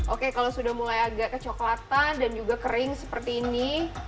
oke kalau sudah mulai agak kecoklatan dan juga kering seperti ini